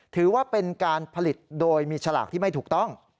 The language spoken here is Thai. ถือว่าเป็นการผลิตโดยมีฉลากที่ไม่ถูกต้อง